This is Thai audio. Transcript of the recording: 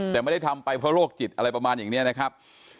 แต่ไม่ได้ทำไปเพราะโรคจิตอะไรประมาณอย่างนี้นะครับ